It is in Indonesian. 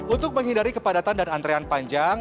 untuk menghindari kepadatan dan antrean panjang